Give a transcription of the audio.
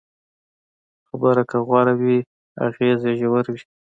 خبره که غوره وي، اغېز یې ژور وي.